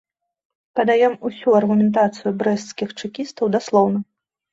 Падаём усю аргументацыю брэсцкіх чэкістаў даслоўна.